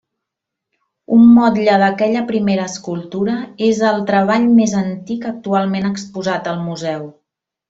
Un motlle d'aquella primera escultura és el treball més antic actualment exposat al museu.